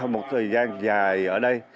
một thời gian dài ở đây